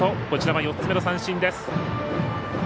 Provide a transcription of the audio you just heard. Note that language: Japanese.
こちらは４つ目の三振です。